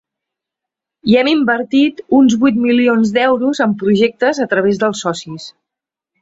I hem invertit uns vuit milions d’euros en projectes a través dels socis.